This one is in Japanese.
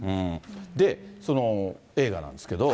で、その映画なんですけど。